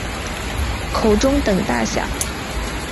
口中等大小。